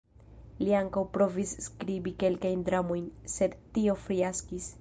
Li ankaŭ provis skribi kelkajn dramojn, sed tio fiaskis.